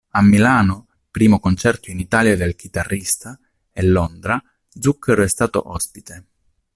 A Milano, primo concerto in Italia del chitarrista, e Londra Zucchero è stato ospite.